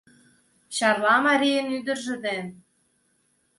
Чарла марийын ӱдыржӧ ден